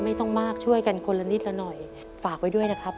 ไม่ต้องมากช่วยกันคนละนิดละหน่อยฝากไว้ด้วยนะครับ